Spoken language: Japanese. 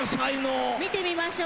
見てみましょう。